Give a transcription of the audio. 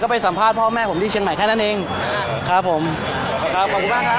ไปสัมภาษณ์พ่อแม่ผมที่เชียงใหม่แค่นั้นเองครับผมครับขอบคุณมากครับ